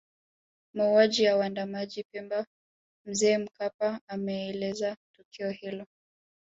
Mauaji ya waandamanaji Pemba Mzee Mkapa ameeleza tukio hilo